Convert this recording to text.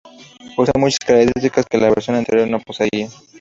Posee muchas características que la versión anterior no poseía.